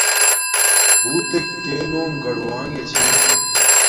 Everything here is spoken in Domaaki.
بݸتݵک تݺ نݸم گَڑُوݳݣݺ چھݺ